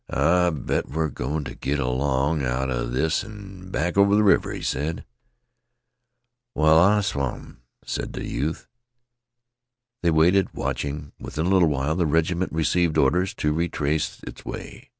"I bet we're goin' t' git along out of this an' back over th' river," said he. "Well, I swan!" said the youth. They waited, watching. Within a little while the regiment received orders to retrace its way.